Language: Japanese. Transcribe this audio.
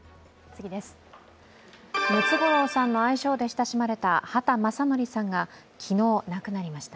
ムツゴロウさんの愛称で親しまれた畑正憲さんが昨日、亡くなりました。